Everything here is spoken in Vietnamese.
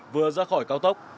vừa ra khỏi cao tốc